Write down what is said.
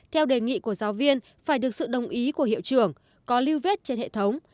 theo đề nghị của giáo viên phải được sự đồng ý của hiệu trưởng có lưu vết trên hệ thống